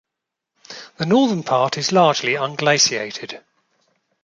The northern part is largely unglaciated.